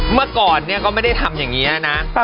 เมื่อก่อนเนี่ยก็ไม่ได้ทำอย่างนี้นะ